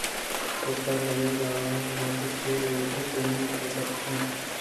کاف مزنیں در ءَ چہ ٹوہیں کوٹی ءَ پترت